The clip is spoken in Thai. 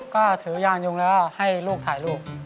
ก็ถือยางยุงแล้วให้ลูกถ่ายรูป